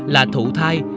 là thụ thai